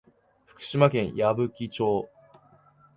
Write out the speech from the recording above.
福島県矢吹町